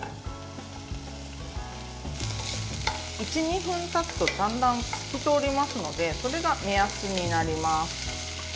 １２分たつとだんだん透き通りますのでそれが目安になります。